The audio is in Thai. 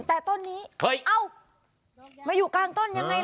แต่ต้นนี้เอ้ามาอยู่กลางต้นยังไงล่ะ